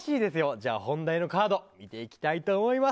じゃあ本題のカード見ていきたいと思います。